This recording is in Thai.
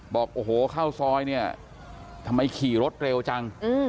บอกโอ้โหเข้าซอยเนี่ยทำไมขี่รถเร็วจัง